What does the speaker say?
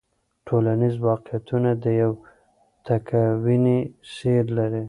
ټولنیز واقعیتونه یو تکویني سیر لري.